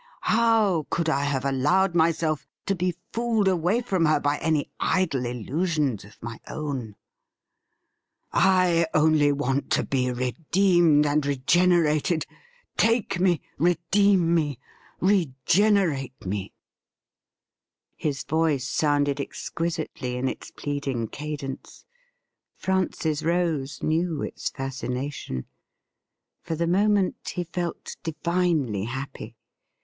" How could I have allowed myself to be fooled away from her by any idle illusions of my own .?" I only want to be redeemed and regenerated. Take me ; redeem me ; regenerate me.' His voice sounded exquisitely in its pleading cadence. Francis Rose knew its fascination. For the moment he felt divinely happy.